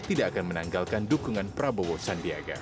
tidak akan menanggalkan dukungan prabowo sandiaga